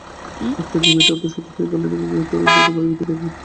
একপর্যায়ে মেয়েটি অন্তঃসত্ত্বা হয়ে পড়লে ওই তরুণ তাকে নানা ভয়ভীতি দেখান।